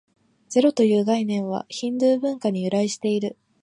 ゼロという概念は、ヒンドゥー文化に由来している。